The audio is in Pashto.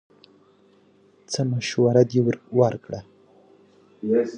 څه مشوره دې ورکړه!